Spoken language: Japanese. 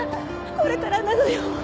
これからなのよ